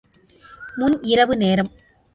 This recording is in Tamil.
முன் இரவு நேரம்.